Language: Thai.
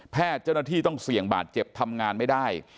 เจ้าหน้าที่ต้องเสี่ยงบาดเจ็บทำงานไม่ได้